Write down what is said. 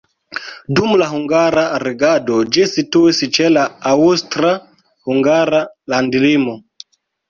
Dum la hungara regado ĝi situis ĉe la aŭstra-hungara landlimo.